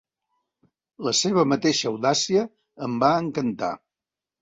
La seva mateixa audàcia em va encantar.